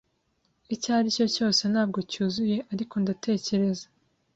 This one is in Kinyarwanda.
icyo aricyo cyose ntabwo cyuzuye ariko ndatekereza